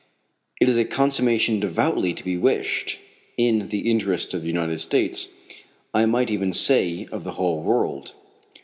It is a consummation devoutly to be wished in the interest of the United States I might even say of the whole world."